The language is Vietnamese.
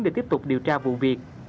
để tiếp tục điều tra vụ việc